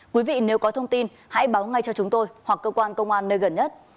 quý vị nếu có thông tin hãy báo ngay cho chúng tôi hoặc cơ quan công an nơi gần nhất